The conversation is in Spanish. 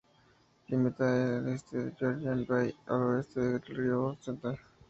Limita al este con la Georgian Bay, al oeste con el río St.